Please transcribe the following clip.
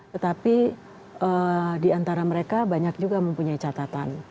tetapi diantara mereka banyak juga mempunyai catatan